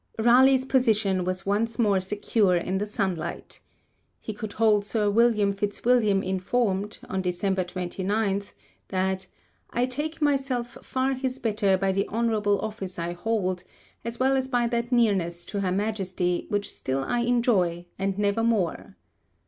Raleigh's position was once more secure in the sunlight. He could hold Sir William Fitzwilliam informed, on December 29, that 'I take myself far his better by the honourable office I hold, as well as by that nearness to her Majesty which still I enjoy, and never more.'